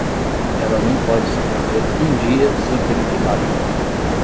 Ela não pode sobreviver um dia sem ter um kebab.